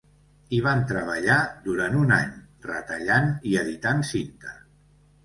Hi van treballar durant un any, retallant i editant cinta.